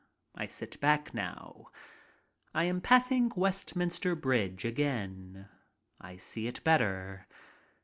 I sit back now. I am passing Westminster Bridge again. I see it better.